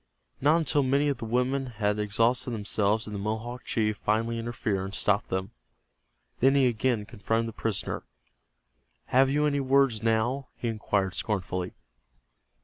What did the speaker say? Not until many of the women had exhausted themselves did the Mohawk chief finally interfere, and stop them. Then he again confronted the prisoner. "Have you any words now?" he inquired scornfully.